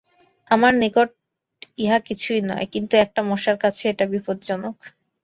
আমার নিকট ইহা কিছুই নয়, কিন্তু একটা মশার কাছে এটা বিপজ্জনক।